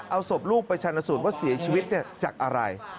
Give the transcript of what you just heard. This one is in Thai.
เอาศพลูกไปชันสูตรว่าเสียชีวิตจากอะไร